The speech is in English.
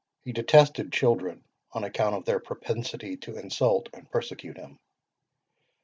"He detested children, on account of their propensity to insult and persecute him.